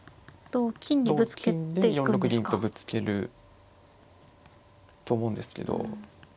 同金で４六銀とぶつけると思うんですけど。